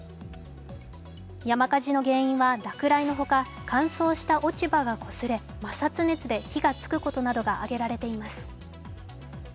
山火事の原因は落雷のほか乾燥した落ち葉がこすれ摩擦熱で火がつくことなどが挙げられています。